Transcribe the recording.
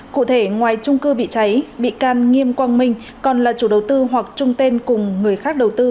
cụ thể ngoài trung cư bị cháy bị can nghiêm quang minh còn là chủ đầu tư hoặc trung tên cùng người khác đầu tư